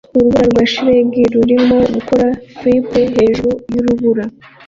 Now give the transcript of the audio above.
Urubura rwa shelegi rurimo gukora flip hejuru yurubura